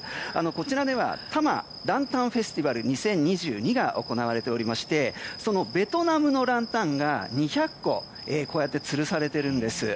こちらでは多摩ランタンフェスティバル２０２２が行われておりましてそのベトナムのランタンが２００個つるされているんです。